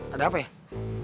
ada apa ya